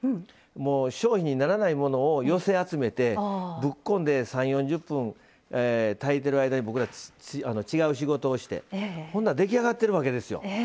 商品にならないものを寄せ集めてぶっこんで３０４０分炊いてる間に僕ら、違う仕事をして出来上がってるわけですよ。